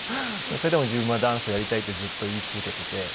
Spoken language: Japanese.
それでも自分は「ダンスをやりたい」ってずっと言い続けていて。